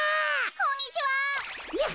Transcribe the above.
こんにちは。